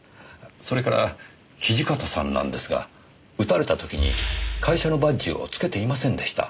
それから土方さんなんですが撃たれた時に会社のバッジをつけていませんでした。